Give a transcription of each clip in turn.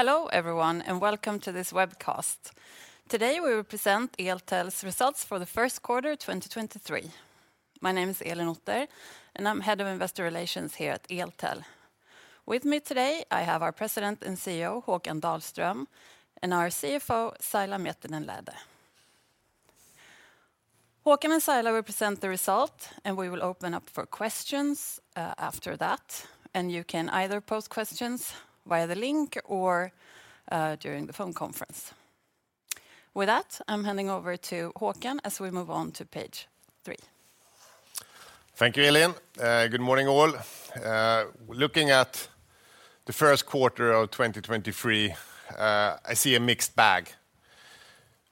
Hello everyone, welcome to this webcast. Today we will present Eltel's results for the first quarter 2023. My name is Elin Otter, and I'm Head of Investor Relations here at Eltel. With me today I have our President and CEO, Håkan Dahlström, and our CFO, Saila Miettinen-Lähde. Håkan and Saila will present the result, and we will open up for questions after that, and you can either pose questions via the link or during the phone conference. With that, I'm handing over to Håkan as we move on to page 3. Thank you, Elin. Good morning all. Looking at the first quarter of 2023, I see a mixed bag.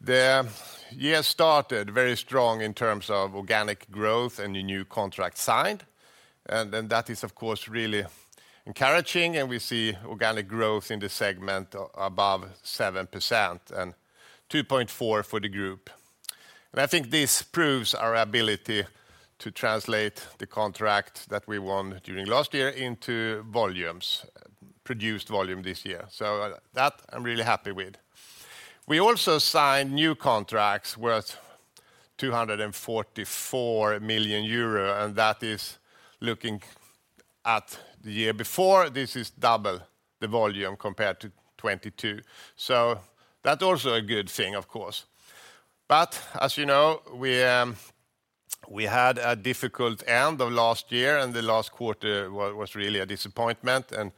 The year started very strong in terms of organic growth and the new contract signed, and that is of course really encouraging, and we see organic growth in the segment above 7%, and 2.4% for the group. I think this proves our ability to translate the contract that we won during last year into volumes, produced volume this year. That I'm really happy with. We also signed new contracts worth 244 million euro, and that is looking at the year before, this is double the volume compared to 2022. That's also a good thing, of course. As you know, we had a difficult end of last year and the last quarter was really a disappointment, and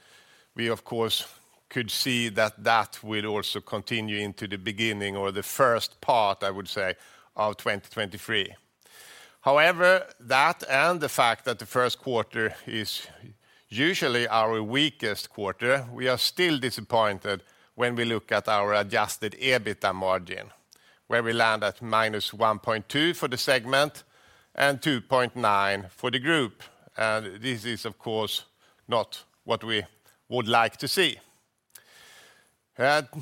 we, of course, could see that that will also continue into the beginning or the first part, I would say, of 2023. However, that and the fact that the first quarter is usually our weakest quarter, we are still disappointed when we look at our adjusted EBITA margin, where we land at -1.2% for the segment and 2.9% for the group. This is, of course, not what we would like to see.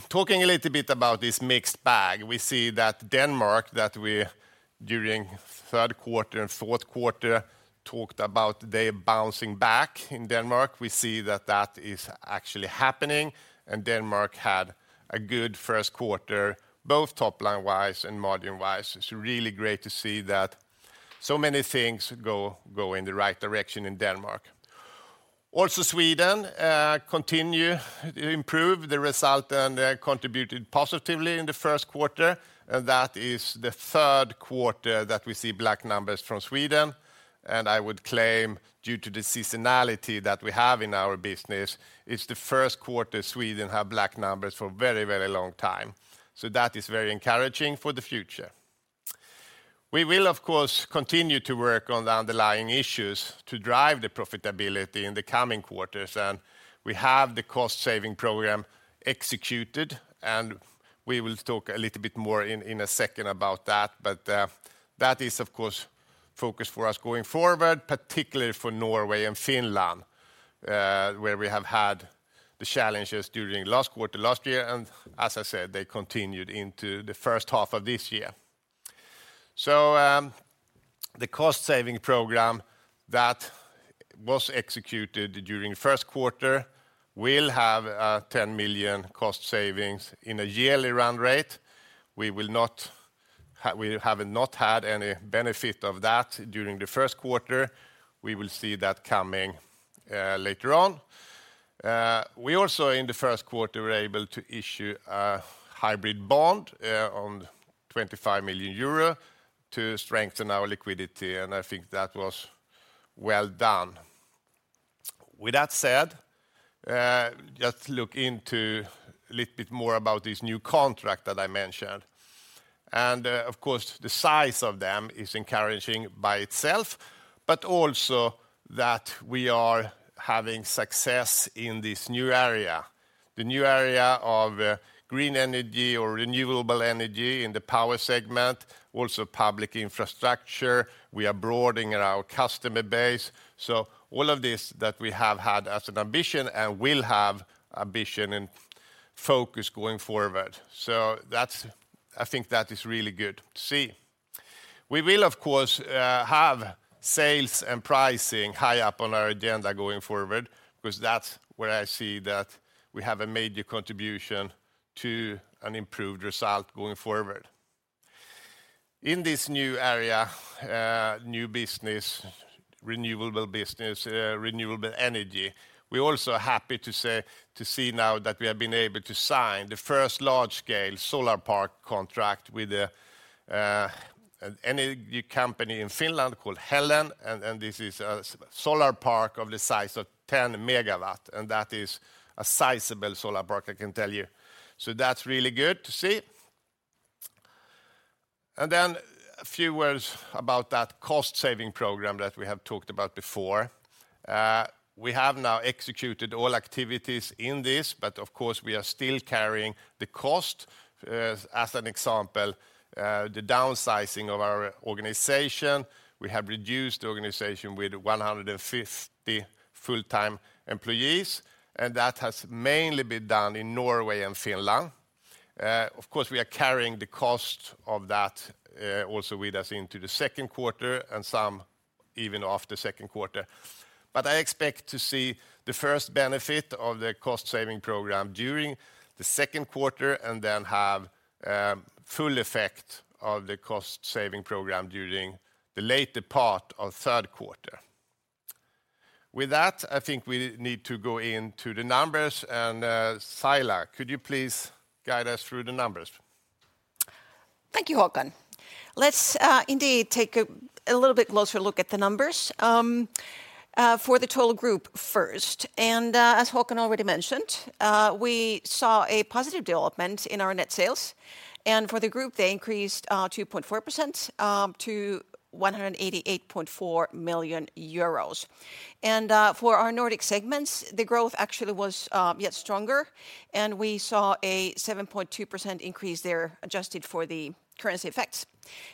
Talking a little bit about this mixed bag. We see that Denmark, that we during third quarter and fourth quarter talked about they bouncing back in Denmark, we see that that is actually happening, and Denmark had a good first quarter, both top line-wise and margin-wise. It's really great to see that so many things go in the right direction in Denmark. Sweden continue to improve the result and contributed positively in the first quarter. That is the third quarter that we see black numbers from Sweden. I would claim, due to the seasonality that we have in our business, it's the first quarter Sweden have black numbers for very, very long time. That is very encouraging for the future. We will of course continue to work on the underlying issues to drive the profitability in the coming quarters. We have the cost-saving program executed. We will talk a little bit more in a second about that. That is of course focus for us going forward, particularly for Norway and Finland, where we have had the challenges during last quarter, last year, and as I said, they continued into the first half of this year. The cost-saving program that was executed during first quarter will have 10 million cost savings in a yearly run rate. We have not had any benefit of that during the first quarter. We will see that coming later on. We also in the first quarter were able to issue a hybrid bond on 25 million euro to strengthen our liquidity, and I think that was well done. With that said, just look into a little bit more about this new contract that I mentioned. Of course, the size of them is encouraging by itself, but also that we are having success in this new area. The new area of green energy or renewable energy in the Power segment, also public infrastructure. We are broadening our customer base. All of this that we have had as an ambition and will have ambition and focus going forward. I think that is really good to see. We will of course have sales and pricing high up on our agenda going forward, because that's where I see that we have a major contribution to an improved result going forward. In this new area, new business, renewable business, renewable energy, we're also happy to say, to see now that we have been able to sign the first large-scale solar park contract with a, an energy company in Finland called Helen, and this is a solar park of the size of 10 MW, and that is a sizable solar park, I can tell you. That's really good to see. A few words about that cost-saving program that we have talked about before. We have now executed all activities in this, but of course we are still carrying the cost. As an example, the downsizing of our organization. We have reduced the organization with 150 full-time employees, and that has mainly been done in Norway and Finland. Of course, we are carrying the cost of that, also with us into the second quarter and some even after second quarter. I expect to see the first benefit of the cost-saving program during the second quarter and then have full effect of the cost-saving program during the later part of third quarter. With that, I think we need to go into the numbers. Saila, could you please guide us through the numbers? Thank you, Håkan. Let's indeed take a little bit closer look at the numbers for the total group first. As Håkan already mentioned, we saw a positive development in our net sales, and for the group, they increased 2.4% to 188.4 million euros. For our Nordic segments, the growth actually was yet stronger, and we saw a 7.2% increase there, adjusted for the currency effects.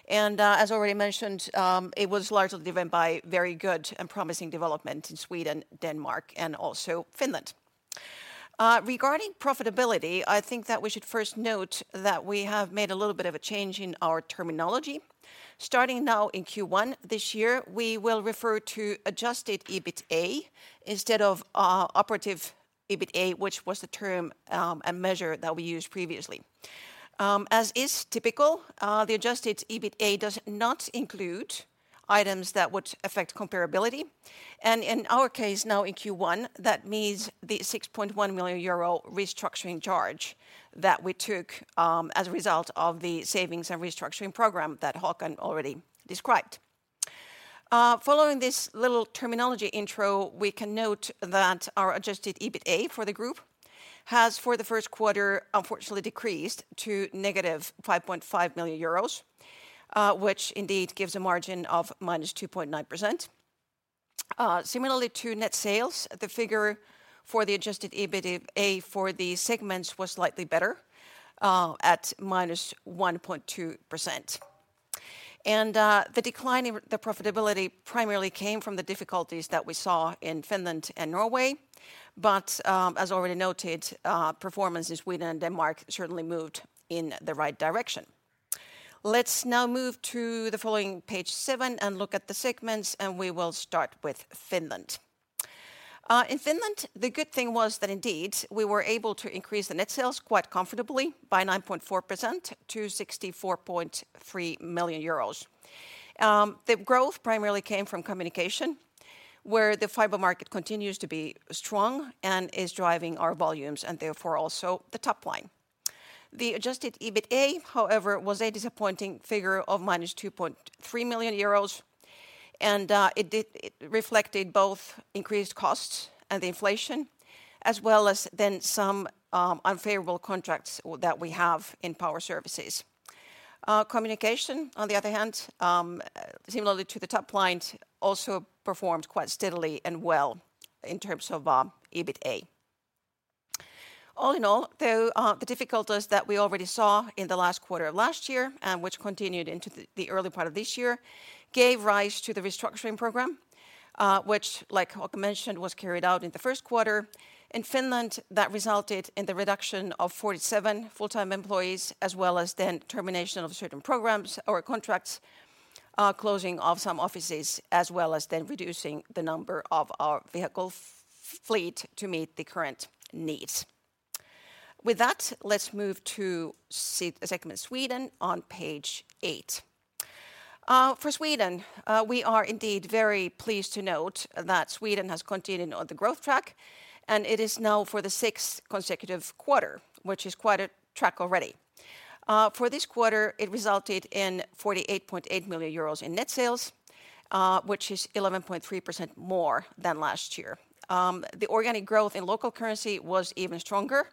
As already mentioned, it was largely driven by very good and promising development in Sweden, Denmark, and also Finland. Regarding profitability, I think that we should first note that we have made a little bit of a change in our terminology. Starting now in Q1 this year, we will refer to adjusted EBITA instead of operative EBITA, which was the term and measure that we used previously. As is typical, the adjusted EBITA does not include items that would affect comparability. In our case now in Q1, that means the 6.1 million euro restructuring charge that we took as a result of the savings and restructuring program that Håkan already described. Following this little terminology intro, we can note that our adjusted EBITA for the group has, for the first quarter, unfortunately decreased to -5.5 million euros, which indeed gives a margin of -2.9%. Similarly to net sales, the figure for the adjusted EBITA for the segments was slightly better at -1.2%. The decline in the profitability primarily came from the difficulties that we saw in Finland and Norway, as already noted, performance in Sweden and Denmark certainly moved in the right direction. Let's now move to the following page 7 and look at the segments. We will start with Finland. In Finland, the good thing was that indeed we were able to increase the net sales quite comfortably by 9.4% to 64.3 million euros. The growth primarily came from Communication, where the fiber market continues to be strong and is driving our volumes and therefore also the top line. The adjusted EBITA, however, was a disappointing figure of -2.3 million euros. It reflected both increased costs and inflation as well as then some unfavorable contracts that we have in Power services. Communication, on the other hand, similarly to the top line, also performed quite steadily and well in terms of EBITA. The difficulties that we already saw in the last quarter of last year, which continued into the early part of this year, gave rise to the restructuring program, which, like Håkan mentioned, was carried out in the first quarter. In Finland, that resulted in the reduction of 47 full-time employees, as well as termination of certain programs or contracts, closing of some offices, as well as reducing the number of our vehicle fleet to meet the current needs. With that, let's move to segment Sweden on page 8. For Sweden, we are indeed very pleased to note that Sweden has continued on the growth track, and it is now for the 6th consecutive quarter, which is quite a track already. For this quarter, it resulted in 48.8 million euros in net sales, which is 11.3% more than last year. The organic growth in local currency was even stronger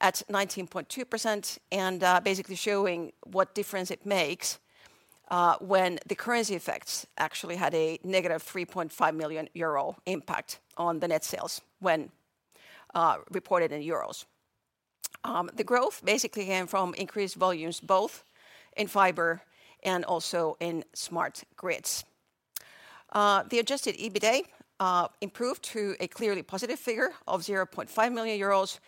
at 19.2%, basically showing what difference it makes when the currency effects actually had a -3.5 million euro impact on the net sales when reported in euros. The growth basically came from increased volumes both in fiber and also in Smart Grids. The adjusted EBITA improved to a clearly positive figure of 0.5 million euros,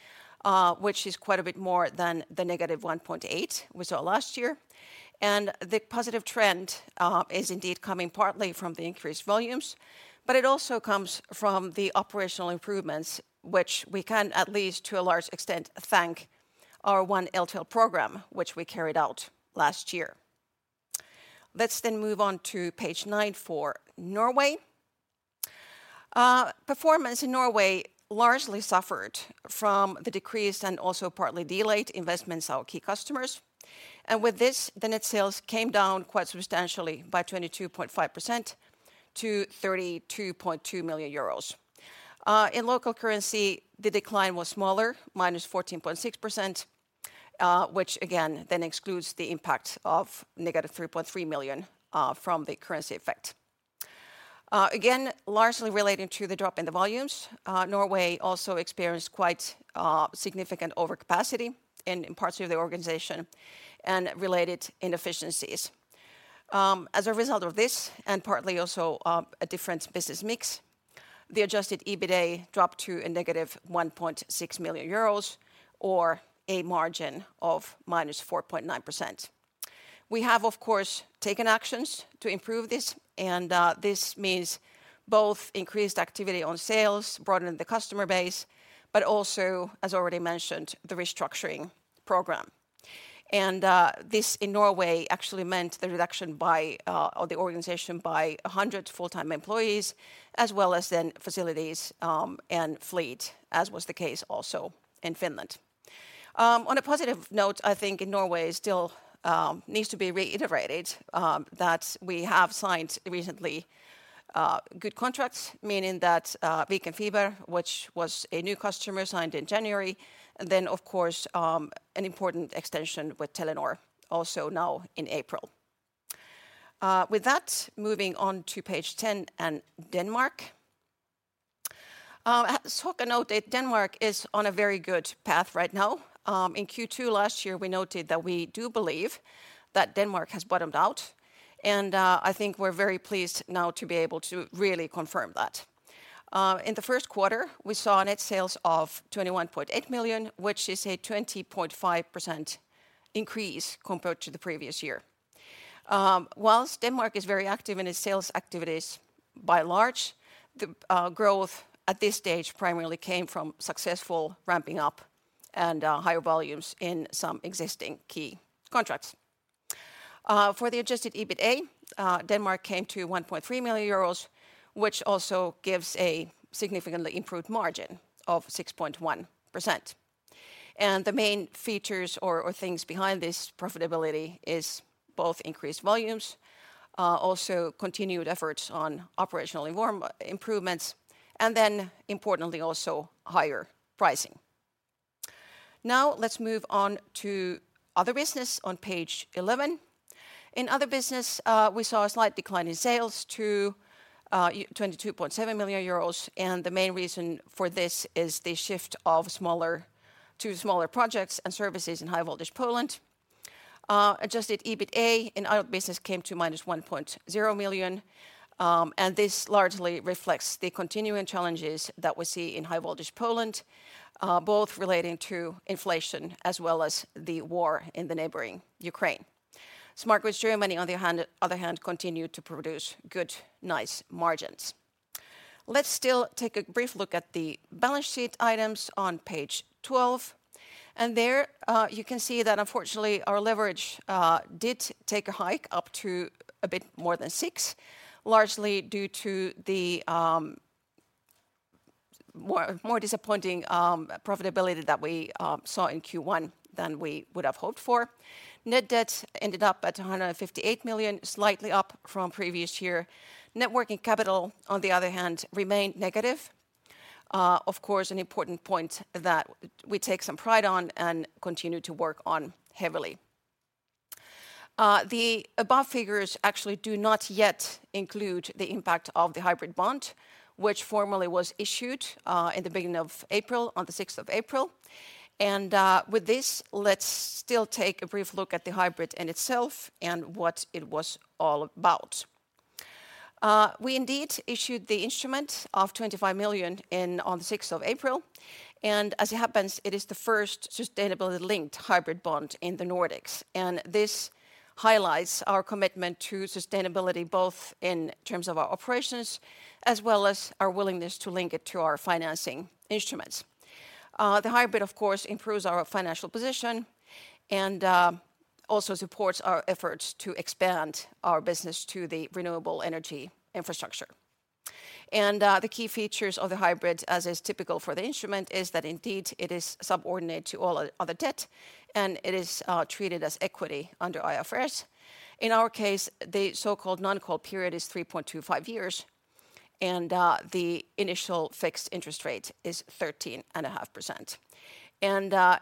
which is quite a bit more than the -1.8 we saw last year. The positive trend is indeed coming partly from the increased volumes, but it also comes from the operational improvements, which we can at least to a large extent thank our One Eltel program, which we carried out last year. Let's then move on to page 9 for Norway. Performance in Norway largely suffered from the decreased and also partly delayed investments of key customers. With this, the net sales came down quite substantially by 22.5% to 32.2 million euros. In local currency, the decline was smaller, -14.6%, which again then excludes the impact of -3.3 million from the currency effect. Largely relating to the drop in the volumes, Norway also experienced quite significant overcapacity in parts of the organization and related inefficiencies. As a result of this, and partly also a different business mix, the adjusted EBITA dropped to a -1.6 million euros or a margin of -4.9%. We have, of course, taken actions to improve this. This means both increased activity on sales, broadening the customer base, but also, as already mentioned, the restructuring program. This in Norway actually meant the reduction of the organization by 100 full-time employees, as well as then facilities and fleet, as was the case also in Finland. On a positive note, I think in Norway it still needs to be reiterated that we have signed recently good contracts, meaning that Viken Fiber, which was a new customer, signed in January. Then of course, an important extension with Telenor also now in April. With that, moving on to page 10 and Denmark. As Håkan noted, Denmark is on a very good path right now. In Q2 last year, we noted that we do believe that Denmark has bottomed out. I think we're very pleased now to be able to really confirm that. In the first quarter, we saw net sales of 21.8 million, which is a 20.5% increase compared to the previous year. Whilst Denmark is very active in its sales activities, by and large the growth at this stage primarily came from successful ramping up and higher volumes in some existing key contracts. For the adjusted EBITA, Denmark came to 1.3 million euros, which also gives a significantly improved margin of 6.1%. The main features or things behind this profitability is both increased volumes, also continued efforts on operational improvements, importantly also higher pricing. Now, let's move on to other business on page 11. In other business, we saw a slight decline in sales to 22.7 million euros, and the main reason for this is the shift to smaller projects and services in High Voltage Poland. Adjusted EBITA in other business came to -1.0 million, and this largely reflects the continuing challenges that we see in High Voltage Poland, both relating to inflation as well as the war in the neighboring Ukraine. Smart Grids Germany, on the other hand, continued to produce good, nice margins. Let's still take a brief look at the balance sheet items on page 12. There, you can see that unfortunately our leverage did take a hike up to a bit more than six, largely due to the more disappointing profitability that we saw in Q1 than we would have hoped for. Net debt ended up at 158 million, slightly up from previous year. Net working capital, on the other hand, remained negative. Of course, an important point that we take some pride on and continue to work on heavily. The above figures actually do not yet include the impact of the hybrid bond, which formally was issued in the beginning of April, on the sixth of April. With this, let's still take a brief look at the hybrid in itself and what it was all about. We indeed issued the instrument of 25 million on the 6th of April. As it happens, it is the first sustainability-linked hybrid bond in the Nordics. This highlights our commitment to sustainability, both in terms of our operations, as well as our willingness to link it to our financing instruments. The hybrid of course improves our financial position and also supports our efforts to expand our business to the renewable energy infrastructure. The key features of the hybrid, as is typical for the instrument, is that indeed it is subordinate to all other debt, and it is treated as equity under IFRS. In our case, the so-called non-call period is 3.25 years, and the initial fixed interest rate is 13.5%.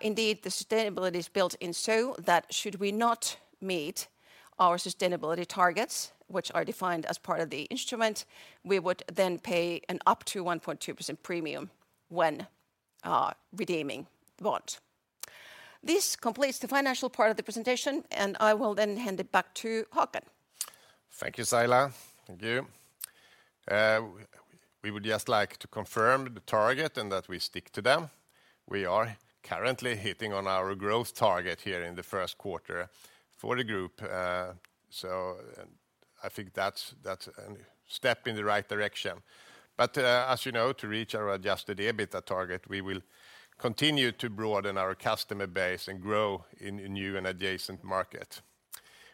Indeed, the sustainability is built in so that should we not meet our sustainability targets, which are defined as part of the instrument, we would then pay an up to 1.2% premium when redeeming the bond. This completes the financial part of the presentation, and I will then hand it back to Håkan. Thank you, Saila. Thank you. We would just like to confirm the target and that we stick to them. We are currently hitting on our gross target here in the first quarter for the group. I think that's an step in the right direction. As you know, to reach our adjusted EBITA target, we will continue to broaden our customer base and grow in a new and adjacent market.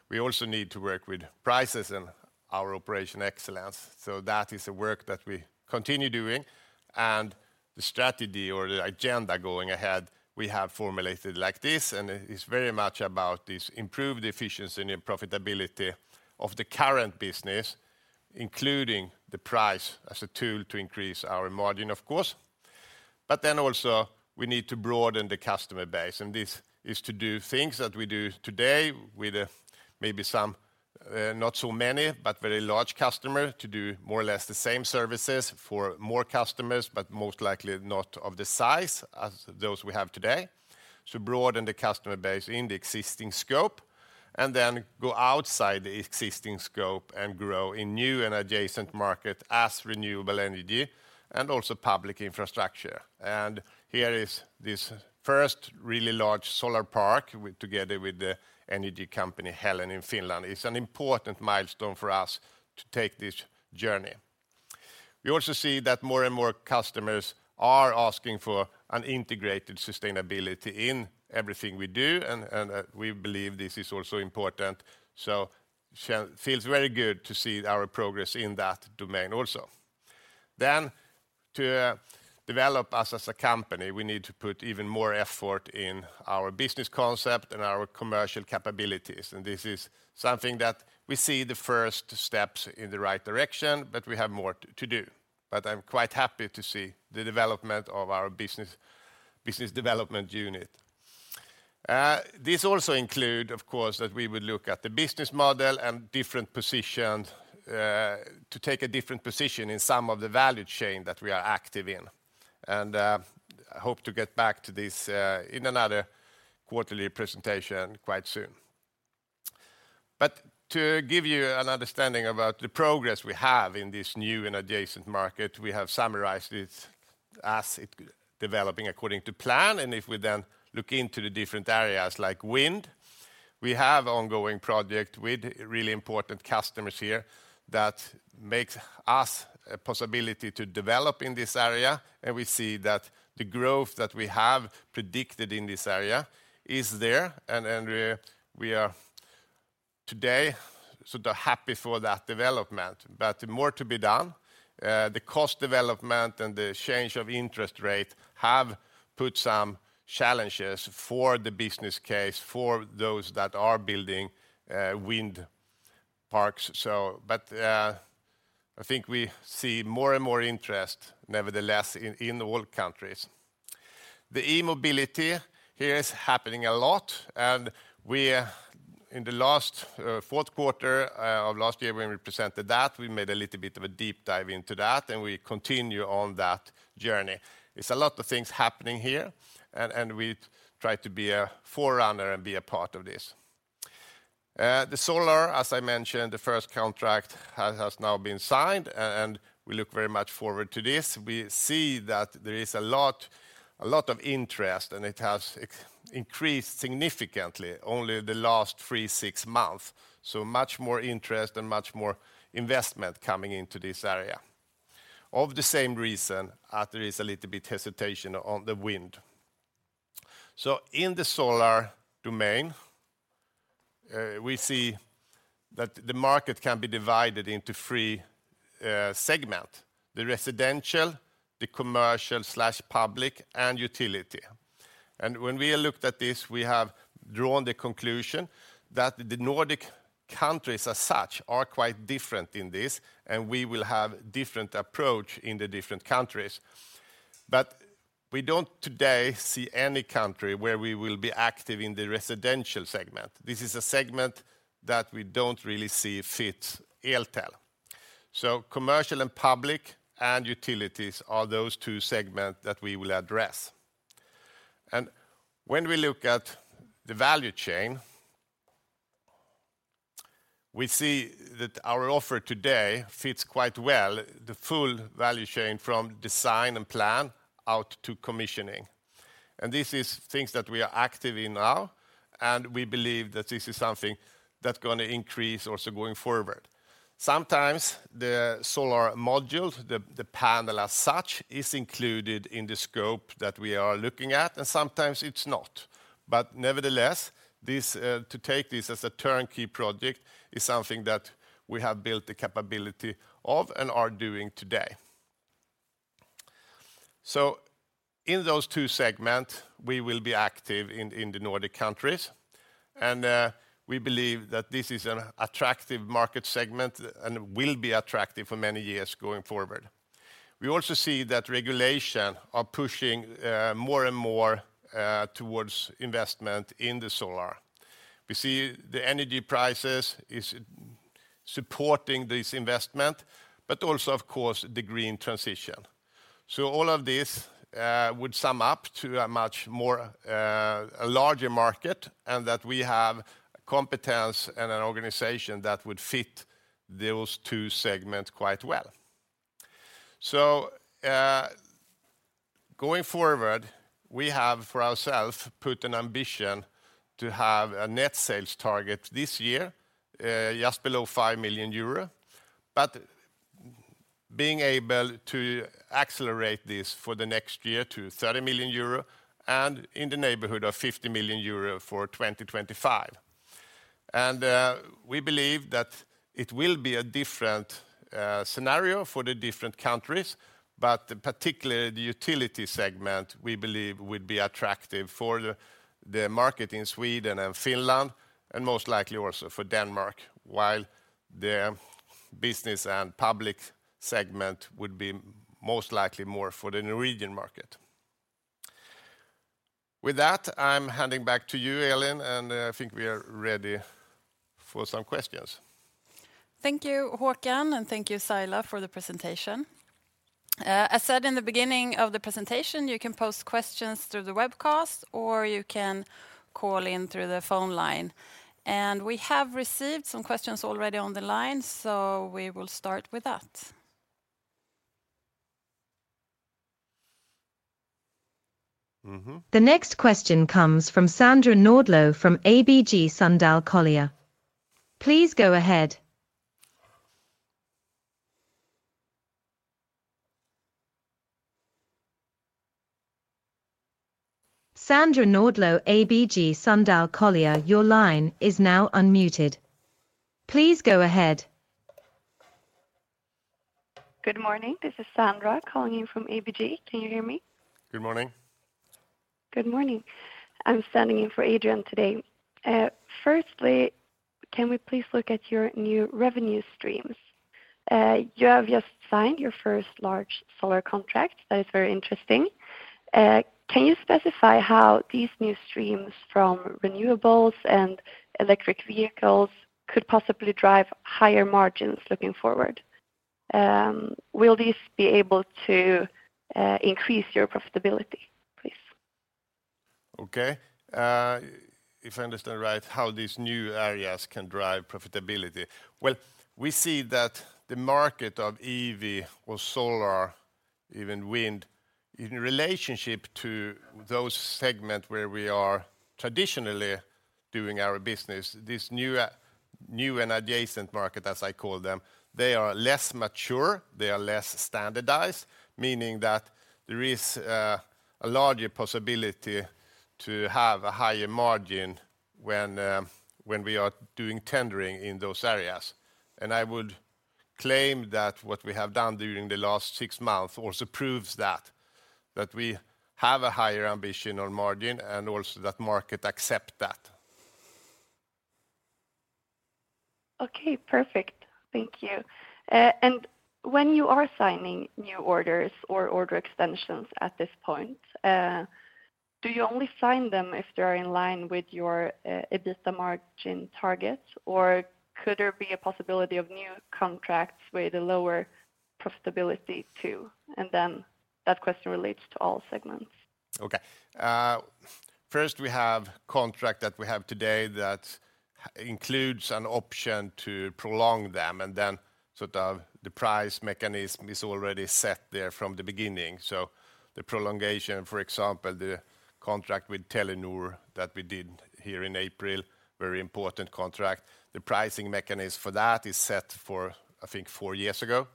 We also need to work with prices and our operation excellence, that is a work that we continue doing. The strategy or the agenda going ahead, we have formulated like this, and it's very much about this improved efficiency and profitability of the current business, including the price as a tool to increase our margin of course. Also we need to broaden the customer base, and this is to do things that we do today with maybe not so many, but very large customer to do more or less the same services for more customers, but most likely not of the size as those we have today. To broaden the customer base in the existing scope and then go outside the existing scope and grow in new and adjacent market as renewable energy and also public infrastructure. Here is this first really large solar park with, together with the energy company Helen in Finland. It's an important milestone for us to take this journey. We also see that more and more customers are asking for an integrated sustainability in everything we do, we believe this is also important, feels very good to see our progress in that domain also. To develop us as a company, we need to put even more effort in our business concept and our commercial capabilities. This is something that we see the first steps in the right direction, but we have more to do. I'm quite happy to see the development of our business development unit. This also include, of course, that we would look at the business model and different position, to take a different position in some of the value chain that we are active in. I hope to get back to this in another quarterly presentation quite soon. To give you an understanding about the progress we have in this new and adjacent market, we have summarized it as it developing according to plan. If we then look into the different areas like wind, we have ongoing project with really important customers here that makes us a possibility to develop in this area. We see that the growth that we have predicted in this area is there, and we are today sort of happy for that development. More to be done, the cost development and the change of interest rate have put some challenges for the business case for those that are building wind parks. I think we see more and more interest nevertheless in all countries. The e-Mobility here is happening a lot. We, in the last, fourth quarter of last year when we presented that, we made a little bit of a deep dive into that and we continue on that journey. It's a lot of things happening here and we try to be a forerunner and be a part of this. The solar, as I mentioned, the first contract has now been signed and we look very much forward to this. We see that there is a lot of interest, and it has increased significantly only the last three, six months. Much more interest and much more investment coming into this area. Of the same reason that there is a little bit hesitation on the wind. In the solar domain, we see that the market can be divided into three, segment, the residential, the commercial/public and utility. When we looked at this, we have drawn the conclusion that the Nordic countries as such are quite different in this, and we will have different approach in the different countries. We don't today see any country where we will be active in the residential segment. This is a segment that we don't really see fit Eltel. Commercial and public and utilities are those two segment that we will address. When we look at the value chain, we see that our offer today fits quite well the full value chain from design and plan out to commissioning. This is things that we are active in now and we believe that this is something that's gonna increase also going forward. Sometimes the solar module, the panel as such, is included in the scope that we are looking at, and sometimes it's not. Nevertheless, this to take this as a turnkey project is something that we have built the capability of and are doing today. In those two segment, we will be active in the Nordic countries, and we believe that this is an attractive market segment and will be attractive for many years going forward. We also see that regulation are pushing more and more towards investment in the solar. We see the energy prices is supporting this investment, but also of course the green transition. All of this would sum up to a much more a larger market and that we have competence and an organization that would fit those two segments quite well. Going forward, we have, for ourself, put an ambition to have a net sales target this year, just below 5 million euro, but being able to accelerate this for the next year to 30 million euro and in the neighborhood of 50 million euro for 2025. We believe that it will be a different scenario for the different countries, but particularly the utility segment we believe would be attractive for the market in Sweden and Finland and most likely also for Denmark, while the business and public segment would be most likely more for the Norwegian market. With that, I'm handing back to you, Elin, and I think we are ready for some questions. Thank you, Håkan, and thank you, Saila, for the presentation. I said in the beginning of the presentation, you can post questions through the webcast or you can call in through the phone line. We have received some questions already on the line, so we will start with that. Mm-hmm. The next question comes from Sandra Nordlöf from ABG Sundal Collier. Please go ahead. Sandra Nordlöf, ABG Sundal Collier, your line is now unmuted. Please go ahead. Good morning. This is Sandra calling in from ABG. Can you hear me? Good morning. Good morning. I'm standing in for Adrian today. Firstly, can we please look at your new revenue streams? You have just signed your first large solar contract. That is very interesting. Can you specify how these new streams from renewables and electric vehicles could possibly drive higher margins looking forward? Will these be able to increase your profitability, please? Okay. If I understand right, how these new areas can drive profitability. Well, we see that the market of EV or solar, even wind, in relationship to those segment where we are traditionally doing our business, this new and adjacent market, as I call them, they are less mature, they are less standardized, meaning that there is a larger possibility to have a higher margin when we are doing tendering in those areas. I would claim that what we have done during the last six months also proves that we have a higher ambition on margin and also that market accept that. Okay, perfect. Thank you. When you are signing new orders or order extensions at this point, do you only sign them if they are in line with your EBITA margin targets, or could there be a possibility of new contracts with a lower profitability too? That question relates to all segments. Okay. First we have contract that we have today that includes an option to prolong them, and then sort of the price mechanism is already set there from the beginning. The prolongation, for example, the contract with Telenor that we did here in April, very important contract, the pricing mechanism for that is set for, I think, four years ago.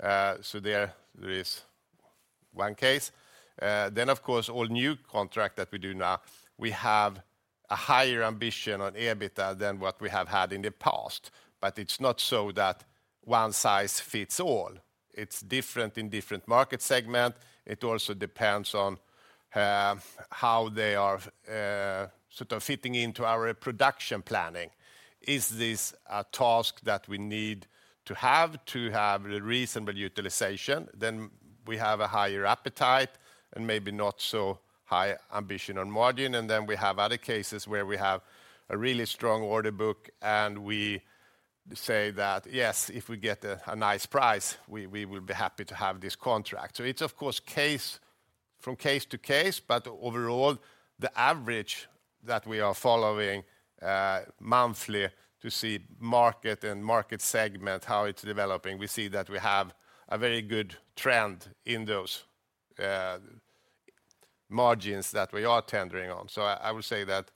There is one case. Of course, all new contract that we do now, we have a higher ambition on EBITA than what we have had in the past, but it's not so that one size fits all. It's different in different market segment. It also depends on how they are sort of fitting into our production planning. Is this a task that we need to have to have a reasonable utilization? We have a higher appetite and maybe not so high ambition on margin. We have other cases where we have a really strong order book, and we say that, "Yes, if we get a nice price, we will be happy to have this contract." It's of course from case to case, but overall, the average that we are following monthly to see market and market segment, how it's developing, we see that we have a very good trend in those margins that we are tendering on. I would say that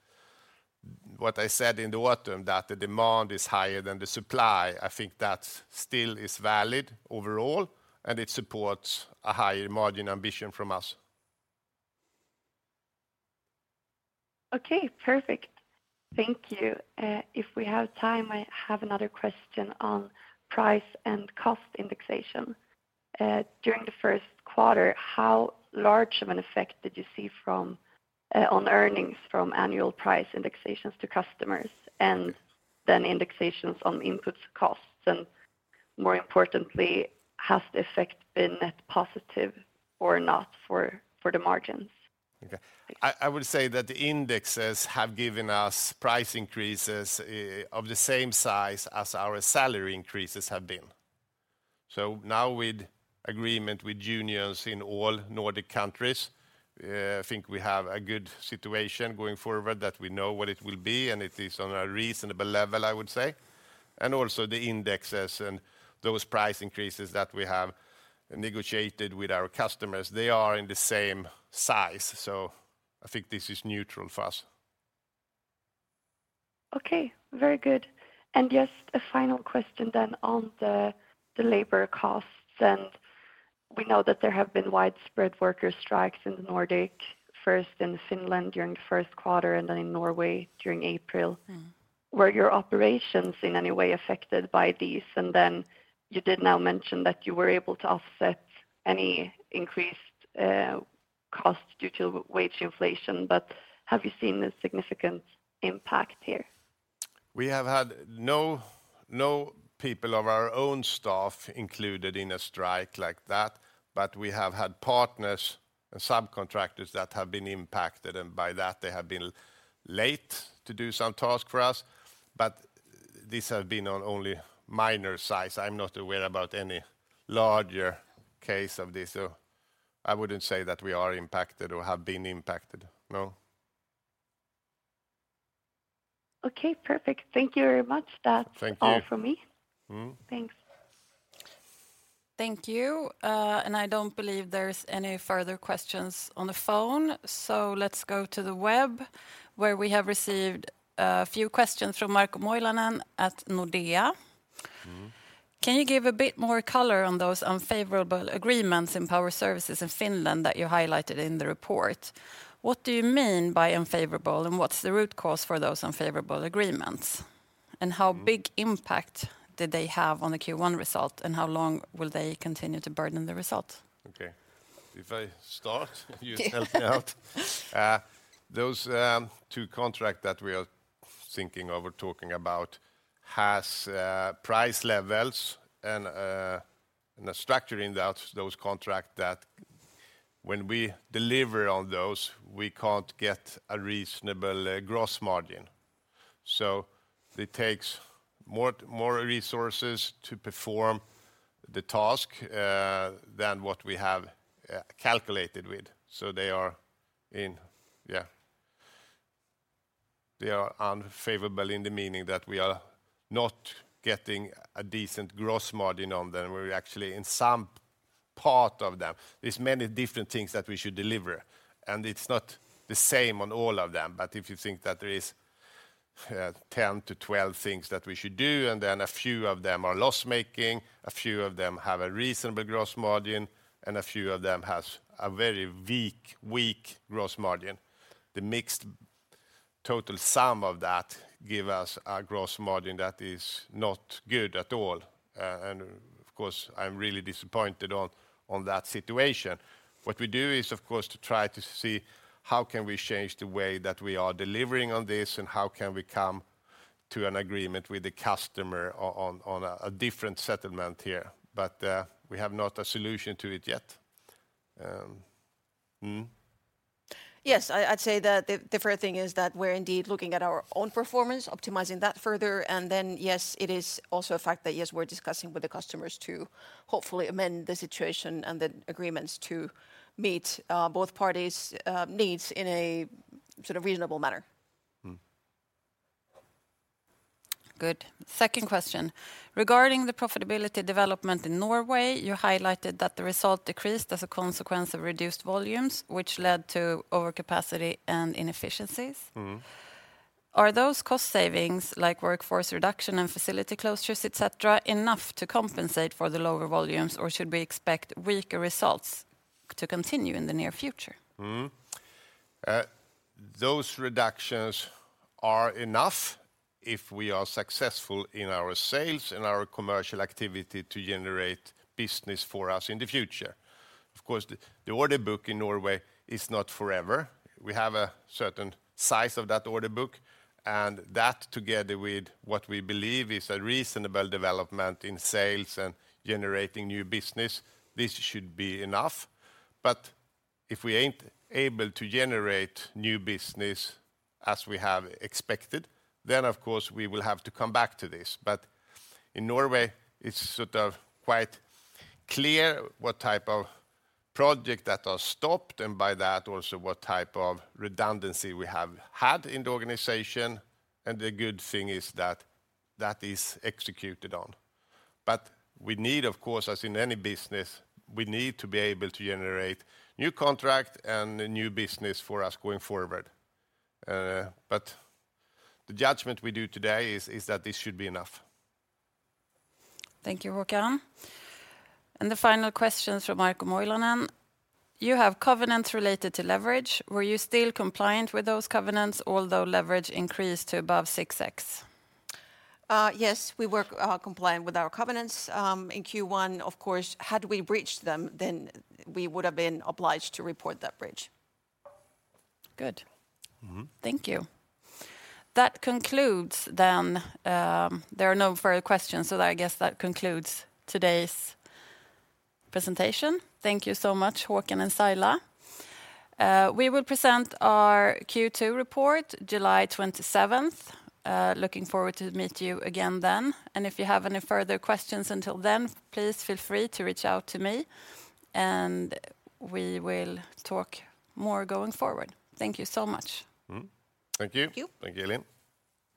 what I said in the autumn, that the demand is higher than the supply, I think that still is valid overall, and it supports a higher margin ambition from us. Okay, perfect. Thank you. If we have time, I have another question on price and cost indexation. During the first quarter, how large of an effect did you see from on earnings from annual price indexations to customers and then indexations on inputs costs? More importantly, has the effect been net positive or not for the margins? Okay. I would say that the indexes have given us price increases of the same size as our salary increases have been. Now with agreement with unions in all Nordic countries, I think we have a good situation going forward that we know what it will be, and it is on a reasonable level, I would say. Also the indexes and those price increases that we have negotiated with our customers, they are in the same size. I think this is neutral for us. Okay, very good. Just a final question then on the labor costs. We know that there have been widespread worker strikes in the Nordic, first in Finland during the first quarter, and then in Norway during April. Were your operations in any way affected by these? You did now mention that you were able to offset any increased cost due to wage inflation, but have you seen a significant impact here? We have had no people of our own staff included in a strike like that, but we have had partners and subcontractors that have been impacted, and by that they have been late to do some tasks for us. This has been on only minor size. I'm not aware about any larger case of this, I wouldn't say that we are impacted or have been impacted, no. Okay, perfect. Thank you very much. Thank you. That's all from me. Mm. Thanks. Thank you. I don't believe there's any further questions on the phone, so let's go to the web, where we have received a few questions from Markku Moilanen at Nordea. Mm. Can you give a bit more color on those unfavorable agreements in Power services in Finland that you highlighted in the report? What do you mean by unfavorable, and what's the root cause for those unfavorable agreements? Mm. How big impact did they have on the Q1 result, and how long will they continue to burden the result? Okay. If I start, you help me out. Those two contract that we are thinking of or talking about has price levels and a structure in that, those contract that when we deliver on those, we can't get a reasonable gross margin. It takes more resources to perform the task than what we have calculated with. They are unfavorable in the meaning that we are not getting a decent gross margin on them, or actually in some part of them, there's many different things that we should deliver, and it's not the same on all of them. If you think that there is 10 to 12 things that we should do, and then a few of them are loss-making, a few of them have a reasonable gross margin, and a few of them has a very weak gross margin, the mixed total sum of that give us a gross margin that is not good at all. Of course, I'm really disappointed on that situation. What we do is, of course, to try to see how can we change the way that we are delivering on this, and how can we come to an agreement with the customer on a different settlement here. We have not a solution to it yet. Yes. I'd say that the first thing is that we're indeed looking at our own performance, optimizing that further, and then yes, it is also a fact that, yes, we're discussing with the customers to hopefully amend the situation and the agreements to meet, both parties, needs in a sort of reasonable manner. Mm. Good. Second question, regarding the profitability development in Norway, you highlighted that the result decreased as a consequence of reduced volumes, which led to overcapacity and inefficiencies. Mm. Are those cost savings, like workforce reduction and facility closures, et cetera, enough to compensate for the lower volumes, or should we expect weaker results to continue in the near future? Those reductions are enough if we are successful in our sales and our commercial activity to generate business for us in the future. Of course, the order book in Norway is not forever. We have a certain size of that order book, and that together with what we believe is a reasonable development in sales and generating new business, this should be enough. If we ain't able to generate new business as we have expected, then of course we will have to come back to this. In Norway, it's sort of quite clear what type of project that are stopped, and by that also what type of redundancy we have had in the organization, and the good thing is that is executed on. We need, of course, as in any business, we need to be able to generate new contract and new business for us going forward. The judgment we do today is that this should be enough. Thank you, Håkan. The final question's from Markku Moilanen. You have covenants related to leverage. Were you still compliant with those covenants, although leverage increased to above 6x? Yes. We were compliant with our covenants, in Q1. Of course, had we breached them, then we would've been obliged to report that breach. Good. Mm-hmm. Thank you. That concludes then. There are no further questions, so I guess that concludes today's presentation. Thank you so much, Håkan and Saila. We will present our Q2 report July 27th. Looking forward to meet you again then. If you have any further questions until then, please feel free to reach out to me, and we will talk more going forward. Thank you so much. Thank you. Thank you. Thank you, Elin.